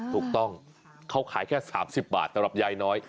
ถูกต้องเขาขายแค่๓๐บาทสำหรับยายน้อย